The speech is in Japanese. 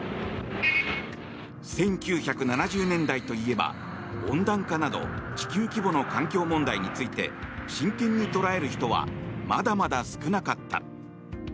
１９７０年代といえば温暖化など地球規模の環境問題について真剣に捉える人はまだまだ少なかった。